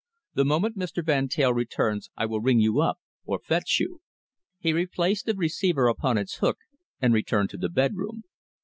The moment Mr. Van Teyl returns I will ring you up or fetch you." He replaced the receiver upon its hook, and returned to the bedroom.